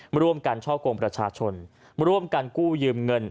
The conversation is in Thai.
ร่วมกันช่อกงประชาชนร่วมกันกู้ยืมเงิน